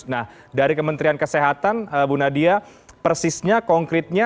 nah dari kementerian kesehatan bu nadia persisnya konkretnya